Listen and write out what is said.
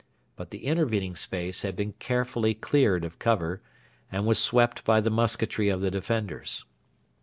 But the intervening space had been carefully cleared of cover, and was swept by the musketry of the defenders.